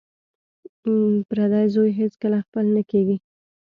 پردی زوی هېڅکله خپل نه کیږي